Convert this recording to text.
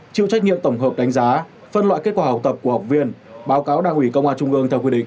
chịu trách nhiệm tổng hợp đánh giá phân loại kết quả học tập của học viên báo cáo đảng ủy công an trung ương theo quy định